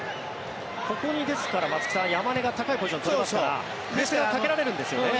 ここに松木さん、山根が高いポジションを取りますからプレッシャーをかけられるんですよね。